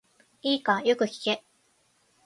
いいか、よく聞け。